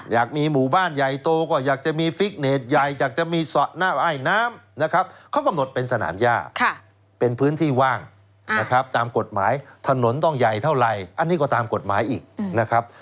อยากมีหมู่บ้านใหญ่โตก็อยากจะมีฟิกเนตใหญ่อยากจะมีสระหน้าว่ายน้ำนะครับเขากำหนดเป็นสนามย่าเป็นพื้นที่ว่างนะครับตามกฎหมายถนนต้องใหญ่เท่าไหร่อันนี้ก็ตามกฎหมายอีกนะครับ